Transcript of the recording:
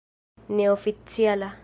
neoficiala